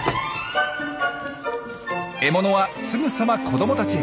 獲物はすぐさま子どもたちへ。